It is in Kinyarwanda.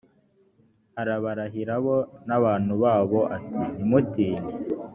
arabarahira bo n abantu babo ati ntimutinye